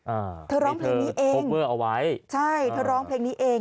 อ่าเธอร้องเพลงนี้เองโอเวอร์เอาไว้ใช่เธอร้องเพลงนี้เอง